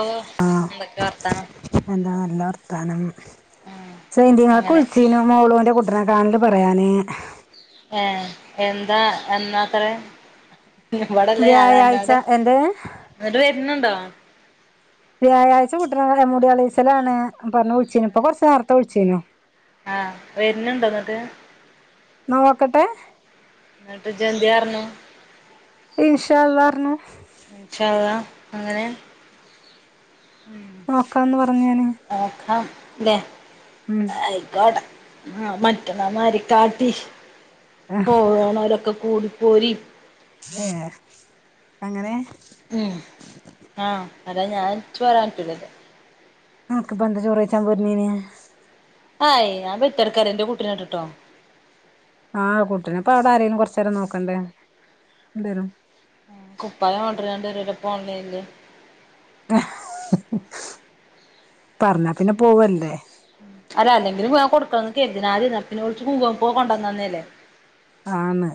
ഓ ആഹ് എന്തൊക്കെ വർ എന്താ നല്ല വർത്താനം ഉം സെയ്ന്തിനാക്ക അങ്ങനെ വിളിച്ചീന്ന് മോളുന്റെ കുട്ടി [unintelligible] പറയാന് ഏഹ് എന്താ എന്നാത്ര ഇവിടല്ലേ വ്യാഴാഴ്ച ആരാന്നോട് എന്ത് ഇങ്ങോട്ട് വരുന്നുണ്ടോ വ്യാഴാഴ്ച കുട്ടിനെ മുടി കളീച്ചലാണ് പറഞ്ഞ് വിളിച്ചിന്ന് ഇപ്പോ കൊറച്ച് നേത്തെ വിളിച്ചിന്ന് ആഹ് വരുന്നുണ്ടോ ഇങ്ങട്ട് നോക്കട്ടെ എന്നിട്ട് ഇജ് എന്ത് പറഞ്ഞു ഇനിഷാ അല്ലാഹ് പറഞു ഇന്ഷാ അല്ലാഹ് അങ്ങനെ നോക്കാന്ന് പറഞ്ഞു ഞാന് നോക്കാംലെ മം ആയിക്കോട ആ മറ്റന്നാ മാ കാട്ടി പോണവരൊക്കെ കൂടിപ്പോരി ഏ അങ്ങനെ. ഉ ആഹ് അതാ ഞാൻട ഇറ്റ് പോരാൻ പറ്റില്ലല്ലേ അനക്ക് ഇപ്പൊ എന്താ ചോറ്വെയ്ച്ചാൻ പോരുന്നീൻ ആ ഞാൻ പെറ്റ് കടക്കാ ന്റെ കൂട്ടിനെ കണ്ടിട്ടോ ആഹ് കുട്ടിനെ അപ്പ അവിടെ ആരേങ്കിലും കൊറച്ച നേരം നോക്കണ്ടേ എ വരും കുപ്പായം ഓഡർ ചെയ്യണ്ട വരല്ലപ്പ ഓൺലൈനില് പറഞ്ഞാ പിന്നെ പോവല്ലേ അല്ല അല്ലെങ്കിലും കൊടുക്കണം കരുതിയതാ വിളിച്ചച്ച് കൊണ്ടന്ന തന്നേല്ലേ ആണ്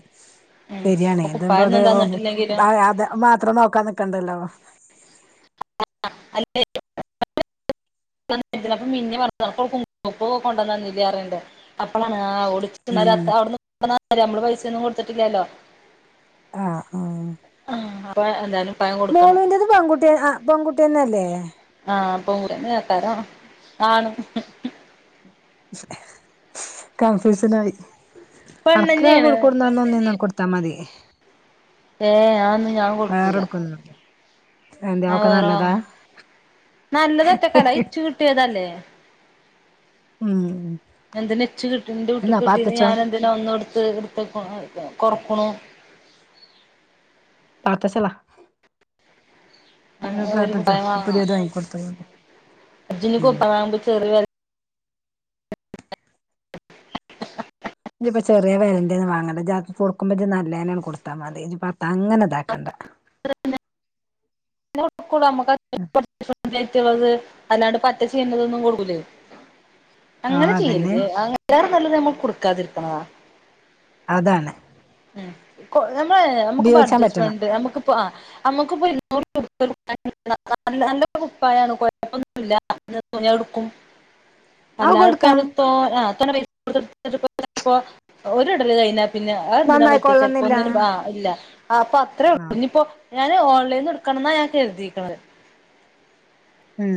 ഉം ശരിയാണ് ഇപ്പൊ ഇത്പ കുപ്പായൊന്നും തന്നിട്ടില്ലെങ്കിലും അത്ത് ഇത്രം നോക്കാൻ നിക്കണ്ടല്ലോ [unintelligible] [unintelligible] അപ്പളാണ് ആ ഓൾ ഓടിച്ച ഉം അ അവിടുന്ന് നമ്മള് പൈസയൊന്നും കൊടുത്തിട്ടില്ലല്ലോ ആഹ് ആഹ് ആ അപ്പൊ എന്തായാലും പ്പായം കൊടുക്കണം പെൺുട്ടിയ ആ പെൺകുട്ടി തന്നെയല്ലേ ആഹ് പ പെൺകുട്ടി തന്നേയ്ക്കാരം ആണും കൺഫ്യൂഷൻ ആയി അനക്ക പെണ്ണന്നെയാണ് കൊഴിക്കോ- ഇന്നൊന്നിന്ന് കൊടുത്താ മതി ഏഹ് ഞാനൊന്നും ഞാൻ കൊടുക്കൂല വേറെടുക്കൊന്നും എന്താ ഞാൻ ഒക്കെ വേറെ നല്ലതാ വാങ്ങും നല്ലത് ഒറ്റക്കല്ല അത് ഇച്ചു കിട്ടിയതല്ലേ ഉം എന്തനെച്ച് കിട്ട് ന്റെ എന്നാ കുട്ടിക്ക് കിട്ടീയത് പാത്തച്ചോ ഞാൻ - എന്തിനാ ഒന്ന് എടുത്ത് എടുത്തക്ക എഹ് കൊറക്ക്ണൂ പാത്ത ചളള ഏഹ് ഒരു പാത്തച്ചോ കുപ്പായം വാങ്ങാ പുതിയത് വാങ്ങിക്കൊടുത്തണ്ട് അർജുന് ഉം കുപ്പമാവുമ്പോ ചെറിയ വ ഇഞ്ഞിപ്പോ ചെറിയ വെലെന്റെ വാങ്ങണ്ട ജ് ആർക്കെ കൊടുക്കുമ്പോ ഇജ്ജ് നല്ലേന്നെ കൊടുത്താ മതി ഇജ്ജ്‌പ്പോ അങ്ങനെ ഇതാക്കണ്ട [inaudible] ന്നാ ഒടുക്കും ഇടാ നമ്മക്ക് അത്യാവശ്യം പുറത്തിക്കിടാൻ പറ്റുന്നത് അല്ലാതെ പറ്റെ ചീഞ്ഞതൊന്നും കൊള്ളൂലെ ആഹ് അങ്ങനെ അതന്നെ ചെയ്യരുത് അതിലേറെ നല്ലത് നമ്മൾ കൊടുക്കാതിരിക്ക്ണതാ അതാണ് ഉം കൊ നമ്മള് നമ്മുക്കിപ്പ ഉപയോഗിച്ചാൻ പറ്റണം അഡ്ജസ്മെന്റ് നമ്മുക്കിപ്പ ആഹ് നമ്മക്ക്പ്പോ [unintelligible] നല്ല നല്ലൊരു കുപ്പായാണ് കുഴപ്പൊന്നല്ല ഞ എടുക്കും അത് അല്ലാ ഇപ്പ കൊടുക്കണം അവി പൈ ഒ ഇടൽ കഴിഞ്ഞ പിന്നെ അതെന്തിനാ പറ്റ ചെലപ്പോ നന്നായിക്കൊള്ളന്നില്ല ഒന്നിനും ആഹ് ഇല്ല അപ്പൊ അത്രേ ഉള്ളൂ ആഹ് ഇഞ്ഞിപ്പോ ഞാൻ ഓൺലൈൻ ട്ക്കണം ന്നാ ഞാൻ കരുതീക്ക്ണെ ഉം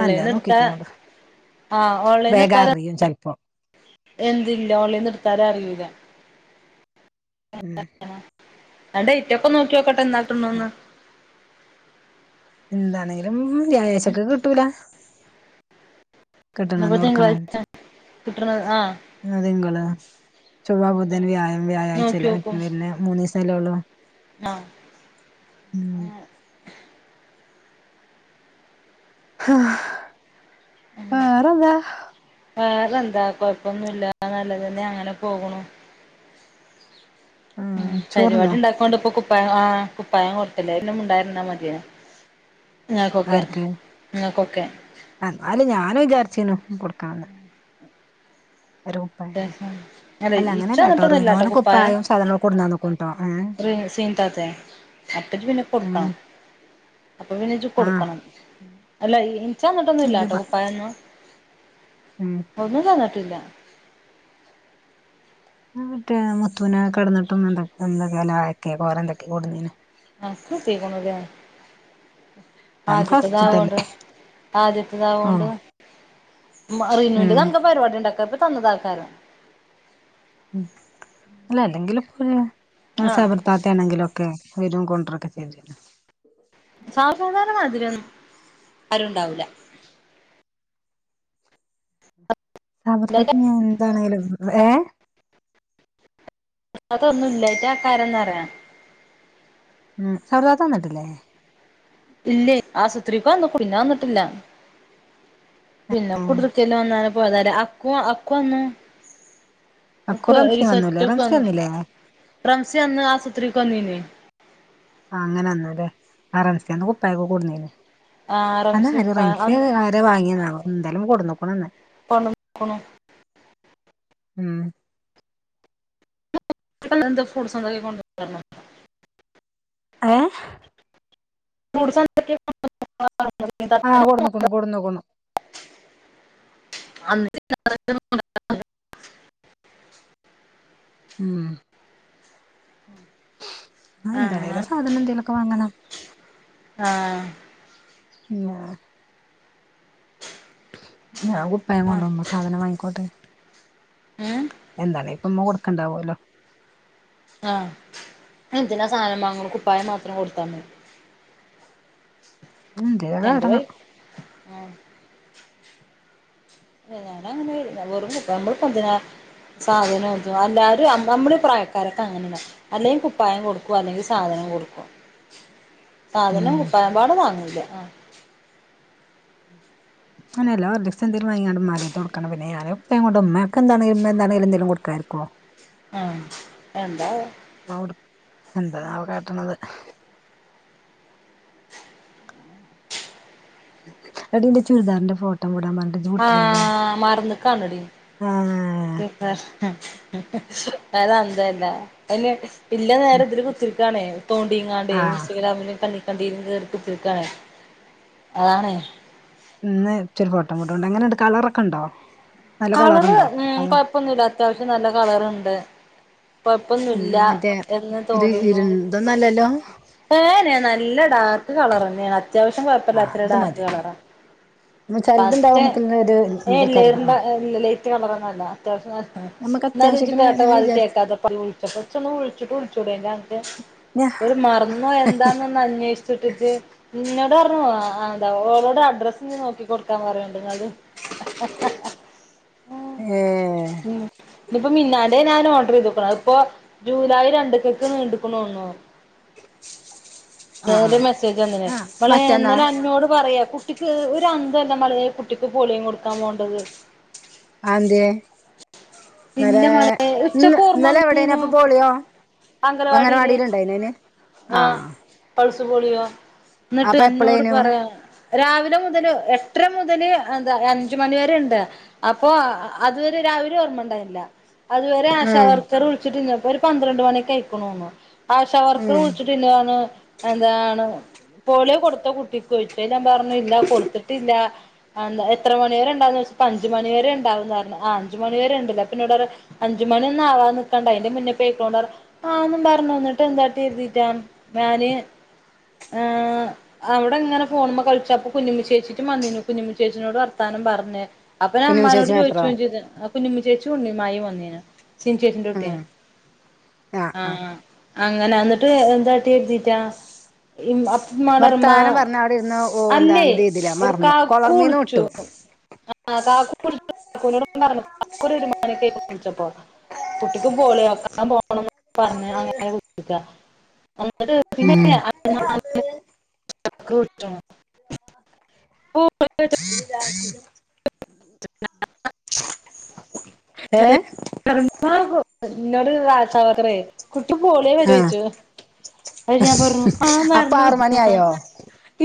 നല്ല എടുത്താ നോക്കിക്കളോണ്ട് ആ ഓൺലൈനിന്ന് എടുത്താല് വെലറിയും ചെലപ്പോ എന്തില്ല ഓൺലൈൻ എടുത്താലും അറിയൂല്ല ഉം ഞാൻ ഡേറ്റ് ഒക്കെ നോക്കിവെക്കട്ടെ എന്നാ കിട്ടുണോന്ന് എന്താണെങ്കിലും വ്യാഴാച്ചക്ക് കിട്ടൂല ഇന്നിപ്പോ കിട്ട്ണന്ന് കൊടുക്കണം തിങ്കളാഴ്ച കിട്ടണത് ആ ഇന്ന് തിങ്കള് ചൊവ്വാ ബുധൻ വ്യാഴം വ്യാഴാഴ്ച്ചല്ലേ നോക്കിയോക്കും മറ്റൊല് വെര്ണെ മൂന്നീസല്ലേ ഒള്ളൂ ആഹ് ഉം ആഹ് വേറെന്താ വേറെന്താ കൊഴപ്പന്നുല്ല എല്ലാം നല്ലതന്നെ അങ്ങനെ പോകുണു ഉം ആഹ് പരിപാടി ചോറ്ന്നോ ഉണ്ടായപ്പം പ്പാണ്ട്പ്പം കുപ്പായം ആഹ് കുപ്പായം കൊടുത്തിലെ അതു പിന്നെ മിണ്ടാതിരുന്നാ മതിയോ ഇങ്ങക്കൊക്കെ ആർക്ക് ഇങ്ങക്കൊക്കെ എന്നാലും ഞാനും വിചാരിച്ചീനു കൊടുക്കാൻ അതെ അല്ല അങ്ങനെയല്ലാട്ടോ ഇച്ചന്നിട്ടൊന്നൂല്ലാട്ടോ റിനോന് കുപ്പായം കുപ്പായും സാധനങ്ങളും കൊടുന്നന്ന്ക്കുട്ടോ ഏഹ് റ് സീൻത്താത്തെ അപ്പജ്ജ് പിന്നെ ഉം കൊടുക്കണം അപ്പൊ പിന്നെജ്ജ് കൊടുക്കണം അല്ല ഇ ഇനിക്ക് തന്നിട്ടൊന്നുംല്ലാട്ടോ ആഹ് കുപ്പായൊന്നും ഉം ഒന്നും തന്നിട്ടില്ല ആഹ് മറ്റേ മുത്തുവിനെ കെടന്നിട്ടും എന്ത എന്തൊക്കെ ലക്ക കോലം കെട്ടി കൊടന്ന്നു അൻക്ക് കിട്ടീക്കുണുലെ അവൻ ഫസ്റ്റ്ത്തല്ലേ ആദ്യത്തെതാവോണ്ട് ഓഹ് ആദ്യത്തെതാവോണ്ട് മ്മ റിനൂന്റെ എന്താ ഉം പരിപാടി ഇണ്ടാക്കാത്ത തന്നതാക്കാരം ഉം അല്ല അല്ലെങ്കിലും പ്പ ഞ് ആ മാസവണം ഇത്താത്ത ആണെങ്കിലൊക്കെ വെരും കൊണ്ടരൊക്കെ ചെയ്തിരുന്നു സാജുത്താനെ മാതിരൊന്നും ആരുണ്ടാവില്ല അവർടാതെ ഞാൻ എന്താണെിലും ഏഹ് അതൊന്നും ഇല്ലായിട്ട് കാരംന്നറിയാം ഉം സർവേ തന്നിട്ടില്ലേ ഇല്ലേ ആസൂത്രിക്ക് വന്ന പിന്നെ വന്നിട്ടില്ല പിന്നെ കുടുല്ല് ചെലവന്നാല പോയതല അക്കു അക്കു വന്നു അക്കു അവക്കെ റംസി ഒരു വന്നൂലേ സെറ്റപ്പ് റംസി ആന്ന് വന്നില്ലേ പ്രാൻസി അന്ന് ആസുപത്രിക്ക് വന്നില്ലേ അങ്ങനന്നല്ലേ ആഹ് റംസന്ന് കുപ്പക്ക കൂടുന്നന് ആഹ് അത് റംസി നല്ലേ ഉപ്പ റംസിയെ അന്ന് വെറുതെ വാങ്ങിയാതവൊ എന്താലും കൊണ്ടു നോക്കണോന്ന് ക്ക്ണു ഉം ട്ടൻ എന്ത് ഫ്രൂട്സ്സോണ്ടേലും കൊണ്ട് വരാന് ഏഹ് മുറി സ്വന്ത ആ കൊടുന്നുക്കുണു [unintelligible] കൊടുന്നുക്കുണു അന്നി [unintelligible] ക്ക്ണു ഉം ആഹ് എന്താണെലും സാധനം എന്തെലൊക്കെ വാങ്ങണം ആഹ് എന്നാ ഞാൻ കുപ്പായം കൊണ്ടു ആഹ് വന്നു സാധനം വാങ്ങിക്കോട്ടെ ഏഹ് എന്തലെ ഇപ്പഉമ്മ കൊടുക്കണ്ടാവുല്ലോ ആഹ് എന്തിനാ സാധനം വാങ്ങാളു കുപ്പായ മാത്രം കൊടുത്താ മതി എന്തേലൊക്കെ രണ്ട് വൈ കാട്ടണം ആഹ് വേറെ ഒന്നുമില്ല വെറും കുപ്പ നമ്മളിപ്പോ എന്തിനാ സാധനേടിച്ചു എല്ലാരും നമ്മള് നമ്മിളി പ്രായക്കാരൊക്കെ അങ്ങനണ് അല്ലെ കുപ്പായം കൊടുക്കും അല്ലെങ്കിൽ സാധനം കൊടുക്കും സാധനം ഉം കുപ്പായം പോലും വാങ്ങിയില്ലആഹ് അനെയല്ലാ ജസ്റ്റ്‌ എന്തേലും വാങ്ങിക്കാണ്ട് ഉമ്മന്റടുത്തു കൊടുക്കണം പിന്നെ ഞാനും ഉപ്പയും കൊണ്ട് ഉമ്മാക്ക് എന്തണെലും ഉമ്മ എന്താണേലും കൊടുക്കാതെ ഇരിക്കുവൊ ആഹ് എന്താ അവിടെ എന്താ ആവോ കട്ടണത് എടി നിന്റെ ചുരിദാറിന്റെ ഫോട്ടോ വിടാൻ പറഞ്ഞിട്ട് ഇജ്ജ് വിട്ടില്ലല്ലോ ആഹ് മറന്ന്ക്കാനാടി എ ഏഹ് ആഹ് അത് അന്തല്ല അതിനീ ഇല്ല നേര ഉം ഇതില് കുത്തി ഇതാണെ തോണ്ടിങ്ങാണ്ട് ആഹ് ഇസ്റ്റഗ്രാമില് കണ്ടിര്ന്ന്ണ്ടക്ക് പോക്കാണ് അതാണ് ഇന്ന ഇച്ചരി ഫോട്ടോങ്ങോട്ടു ഉണ്ട് എങ്ങനെണ്ട് കളറൊക്കെ ഉണ്ടോ നല്ല കളർ കളറുണ്ടോ ഉം അതോ കൊഴപ്പൊന്നുല്ല അത്യാവശ്യം നല്ല കളറുണ്ട് കൊഴപ്പൊന്നുല്ല പിന്നെ മറ്റേ ഇതില് ഇര് ഇതൊന്നുംഅല്ലല്ലോ ഏനെയ നല്ല ഡാർക്ക് കളറന്നെയ അത്യാവശ്യം കുഴപ്പില്ലത ആഹ് ഓര് ഇത് ഡാർക്ക് മതി കളറാ ന്നാ ചെലതുണ്ടാവും ഫസ്റ്റ് നമുക്കിങ്ങനെ ഒരു ഏ ഇതൊക്കെറിയ ആഹ് ലേറിന്റെ ലേറ്റ് കളറൊന്നുംഅല്ല അത്യാവശ്യം നല്ല നമുക്ക് എന്നരിജ് അത്യാവശ്യത്തിന് ഞാൻ കേട്ടപാതി വിചാരിച്ച് കേക്കാതപ വിളിച്ചപ്പം കുറച്ചൊന്നു വിളിച്ചിട്ട് വിളിച്ചുടെ ഞനക്ക് ഞാ ഒരു മർന്നോ എന്താന്നന്ന് അന്വേഷിച്ചിട്ടിട്ട് നിന്നോട് പറഞ്ഞു ആഹ് എന്താ ഓളോട് അഡ്രസ് നോക്കി കൊടുക്കാൻ പറയണ്ട് നിഞത് ആഹ് ഏഹ് ഉം ഇപ്പോ മിന്നാന്റെ ഞാൻ ഓർഡർ ചെയ്ത്ക്കണ ഇപ്പൊ ജൂലൈ രണ്ടക്കൊക്ക് നീണ്ടക്ണുന്നു ആഹ് വേറൊരു ആഹ് മെസ്സേജ് വെന്നീനു ആഹ് ങ്ങളെ മറ്റന്നാ ഇന്നലെ അന്നോട് പറയാ കു ട്ടിക്ക് ഒരു അന്തല്ല മളെ കുട്ടിക്ക് പോളിയം കൊടുക്കാൻ പോണ്ടത് അതെന്തെ ഇന്നലെ ഇല്ല മോളെ ന്ന് ഉച്ചക്ക് ഓർമ്മ ന്നലെവടെന്നു വന്നീനു അപ്പൊ പോളിയോ അംഗനവാടിയില് അങ്ങലവാടിണ്ടെയ്നൊ അയ്ന് ആ ആഹ് പൾസ് പോളിയോ ന്ന്ട്ട് അന്നോട് എപ്പളേനു പറയാ രാവിലെ മുതല് എട്ടര മുതല് എന്താ അഞ്ച് മണി വെരെ ണ്ട് അപ്പൊ അത് വെരെ രാവിലേം ഓർമ്മണ്ടായിന്നില്ല അത് വെരെ ഉം ആശാവർക്ക ച്ചറ് വിൾച്ചിട്ടില്ല അപ്പൊരു പന്ത്രണ്ട് മണിയൊക്കെ ആയ്ക്ക്ണ് തോണ്ണു ആശാ വർക്കറ് ഉം വിൾച്ചിട്ട്ല്ലാന്ന് എന്താണ് പോളിയോ കൊട്ത്തോ കുട്ടിക്കോയ്ച്ച് അയ്ല് ഞാൻ പർഞ്ഞു ല്ല കൊട്ത്ത്ട്ടില്ല എന്താ എത്ര മണിവെരെ ണ്ടാവും ന്നോയ്ച്ചപ്പോ അഞ്ച് മണിവെരെ ണ്ടാവും ന്ന് പർഞ് അ അഞ്ച് മണിവ വെരെ ഇണ്ട് ലെ പ്പ ന്നോട് ർ അഞ്ച് മണിയൊന്നും ആവാൻ നിക്കണ്ട അയ്ന്റെ മുന്നെ പൊയ്ക്കോ ആന്നും പർഞ് ന്ന്ട്ടെന്താട്ടി [unintelligible] ഞാന് ഏ അവടെങ്ങനെ ഫോൺമ്മെ കൾച്ച അപ്പ കുഞ്ഞുമ്മ ചേച്ചിറ്റും വന്നീന് കുഞ്ഞുമ്മ ചേച്ചിനോട് വർത്താനം പർഞ് അപ്പൊ ഞാൻ കുഞ്ഞുമ്മി മ്മാനോട് ചേച്ചി മാത്രോ ചോയ്ച്ചു [unintelligible] കുഞ്ഞുമ്മ ചേച്ചി ഉണ്ണിമായേം വന്നീനു സിനി ചേച്ചിന്റെ കുട്ട്യോ ഉം ആഹ് ആ ആഹ് അങ്ങനെ ന്ന്ട്ട് എന്താട്ടികെര്തീറ്റാ ഇമ് വർത്താനം അപ് പറഞ്ഞ അവിടെ ഇരുന്ന് ഓ എന്താണ് ഇത് ചെയ്തില്ല മറന്നു കൊളർമീന്ന് വിട്ടു [unintelligible] [unintelligible] [unintelligible] വിൾച്ചപ്പോ കുട്ടിക്കും പോളിയോ ഉം [unintelligible] [inaudible] [unintelligible] [inaudible] [inaudible] ഏ [unintelligible] ഇന്നോട് ആശാ വർക്കറെ കുട്ടി പോളിയോ ആഹ് വെച്ചോയ്ച്ചു അപ്പ ഞാൻ പർഞ്ഞു ആന്ന് അപ്പൊ ആറ് പർഞ്ഞു മണിയായോ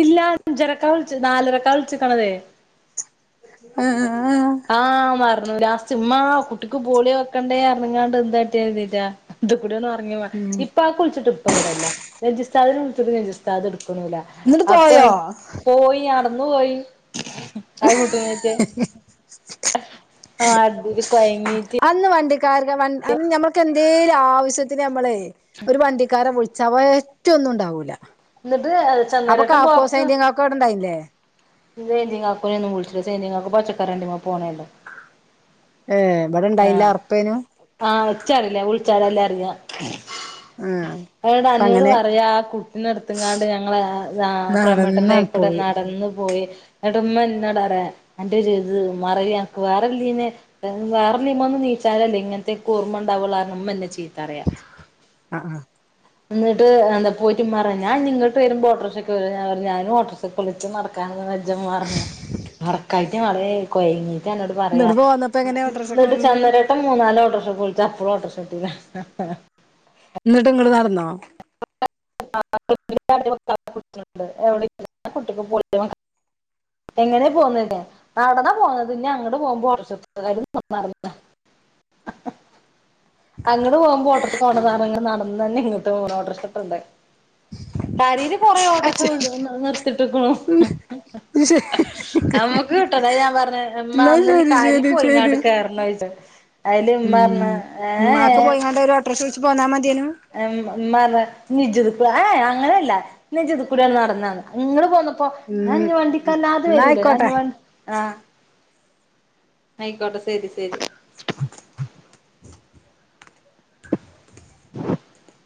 ഇല്ല അഞ്ചരക്ക വിൾച്ച് നാലരക്ക വിൾച്ച്ക്കണതേ ഉം ആ മർന്നു ലാസ്റ്റ് ഇമ്മാ കുട്ടിക്ക് പോളിയോ വെക്കണ്ടേർഞ്ങ്ങാണ്ട് എന്താട്ടിര്തീറ്റാ ഇത് കൂടെ ഒർങ്ങി ഇപ്പ പ്പ വിൾച്ച്ട്ട് ഇപ്പ ഇവിടല്ല നെജുസ്ഥാദ്നെ വിൾച്ച്ട്ട് നെജുസ്ഥാദ് ട്ക്ക്ണുല്ല എന്നിട്ട് അപ്പൊ പോയോ പോയി നടന്നു പോയി ആ കുട്ട്നേറ്റ് ആ അതില് കൊയങ്ങീറ്റ് അന്ന് വണ്ടിക്കാര്ക്ക് വൺ അന്ന് ഞമ്മക്കെന്തേലും ആവശ്യത്തിന് ഞമ്മളെ ഒരു വണ്ടിക്കാരെ വിൾ ചവ ഒറ്റൊന്നും ണ്ടാവൂല ന്ന്ട്ട് ചെന്നേരട്ടം ബോക്സ് ക്കോടണ്ടായിന്ന്ല്ലേ സേന്ജങ്ങാക്കോന ഒന്ന് വിളിച്ചില്ല സേന്ങ്ങക്കക്ക് പച്ചക്കറണ്ടിമ്മ പോണേല്ലോ ഏ ഇവിടെണ്ടായിന്നില്ല ഒർപ്പേനു ആ ഇച്ചറില്ല വിളിച്ചാലല്ലെ അറിയാ ആ എവടെ അപ്പ അന്നോട് അങ്ങനെ പറയാ ആ കുട്ടിനെട്ത്ത്ങ്ങാണ്ട് ഞങ്ങള് ആ പ്രേമേട്ടന്റയ് നടന്നാണ് വടെ പോയി നടന്ന് പോയി ന്ന്ട്ട് മ്മന്നോട് പറയാ അന്റൊര്ത് മറവി അൻക്ക് വേറെല്ലേന് വേറെനിമ ഒന്നും നീച്ചാലല്ലേ ഇങ്ങനത്തെക്ക് ഓർമ്മ ഉണ്ടാവുള്ളറഞ് ഉമ്മന്നെ ചീത്തറിയ. ആ, ആ എന്നിട്ട് എന്താ പോയിറ്റ് ഉമ്മറഞ്ഞ് ഞാ ഇന്നി ഇങ്ങട്ട് വരുമ്പോട്ടോർഷെ കേറി ഞാ പറഞ് ഞാനും ഓട്ടെർഷേ കെ പൊളിച്ചു നടക്കാനന്ന് വജംമ്മറഞ്ഞ് നടക്കായിട്ട് [unintelligible] കൊയങ്ങീട്ട് എന്നോട് പറയാ ഇന്നോട് പോന്നപ്പോ എങ്ങനെ ഓട്ടോറിക്ഷക്ക് എന്നിട്ട് വന്നത് ചന്തരേട്ടം മൂന്നാല് ഓട്ടോർഷോപ്പ് വിളിച്ചപ്പോഴും ഓട്ടോർഷട്ടില്ല. എന്നിട്ട് ഇങ്ങള് നടന്നോ? [unintelligible] എങ്ങനെ പോന്നട്ട. നടന്ന പോന്നത് ഇന്ന അങ്ങട് പോകുമ്പോ [unintelligible] നന്നാറുന്നില്ല അങ്ങട് പോവുമ്പോ ഓട്ടർഷെ ഓട സധനങ്ങ നടന്ന്ന്നെ ഇങ്ങട്ട് പോ ഓട്ടർഷട്ടുണ്ട്. കരയില് കൊറെ ഓട്ടർക്ഷ ഉള്ള നിർത്തിട്ടിക്ക്‌ണു. [unintelligible] ത് കിട്ട ഞാൻ പറഞ് ഇമ്മാ എന്നാ അന്ന് ഇനി ശരി കാരി ശരി പോയി ശരി ഇങ്ങാണ്ട്‌ കേറണ് ചോയി അയില് ഉമ്മാറഞ് ഏഏ പ്രഷവിച്ച് പോന്നാ മതിയെനു. [unintelligible] നിജിത് ഏ അങ്ങനെയല്ല നിജുദക്കൂടിയെങ്ങ നടന്നണ്. നിങ്ങള് പോന്നപ്പോ ഞ ഉം ഇഞ്ഞി വണ്ടിക്കല്ലാതെ എന്നാ വരൂലേ ഞാ ഇഞ്ഞി ആയിക്കോട്ടെ വണ്ടി ആ ആയിക്കോട്ടെ ശരി, ശരി. [inaudible] [inaudible]